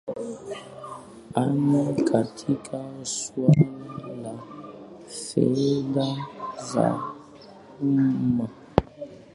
a ni katika swala la fedha za umma